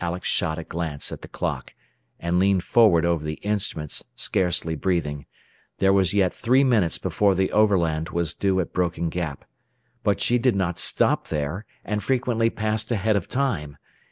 Qk!" [Illustration: BUT THE RESPONSE CLICK DID NOT COME.] Alex shot a glance at the clock, and leaned forward over the instruments, scarcely breathing. There was yet three minutes before the Overland was due at Broken Gap. But she did not stop there, and frequently passed ahead of time.